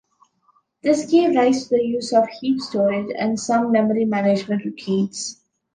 This gave rise to the use of heap storage and some memory management routines.